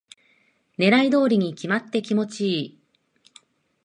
狙い通りに決まって気持ちいい